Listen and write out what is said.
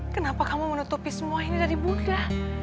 kenapa kamu menutupi semua ini dari buddha